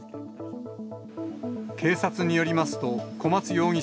警察によりますと、小松容疑